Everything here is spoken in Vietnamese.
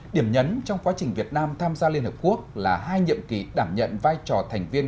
điểm nhấn trong quá trình việt nam tham gia liên hợp quốc là hai nhiệm kỳ đảm nhận vai trò thành viên